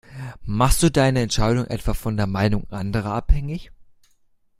Machst du deine Entscheidung etwa von der Meinung anderer abhängig?